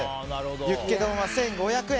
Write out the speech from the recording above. ユッケ丼は１５００円。